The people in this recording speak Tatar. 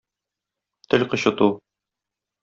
Тел кычыту.